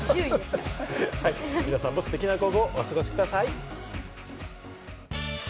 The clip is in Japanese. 皆さんもステキな午後をお過ごしください。